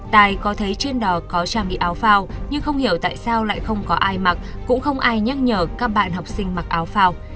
tài có thấy trên đò có trang bị áo phao nhưng không hiểu tại sao lại không có ai mặc cũng không ai nhắc nhở các bạn học sinh mặc áo phao